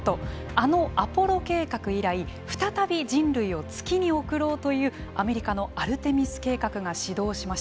あのアポロ計画以来再び人類を月に送ろうというアメリカのアルテミス計画が始動しました。